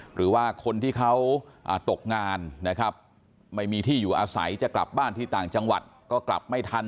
หรือว่าคนที่เขาตกงานนะครับไม่มีที่อยู่อาศัยจะกลับบ้านที่ต่างจังหวัดก็กลับไม่ทัน